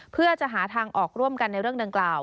เพื่อจะหาทางออกร่วมกันในเรื่องดังกล่าว